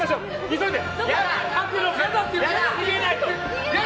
急いで！